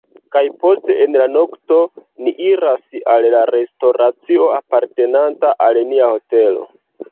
kaj poste en la nokto, ni iras al la restoracio apartenanta al nia hotelo